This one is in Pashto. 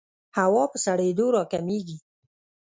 هوا په سړېدو راکمېږي.